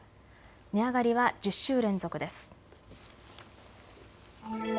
値上がりは１０週連続です。